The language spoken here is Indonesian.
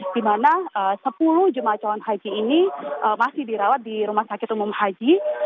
di mana sepuluh jemaah calon haji ini masih dirawat di rumah sakit umum haji